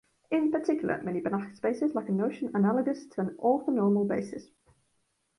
In particular, many Banach spaces lack a notion analogous to an orthonormal basis.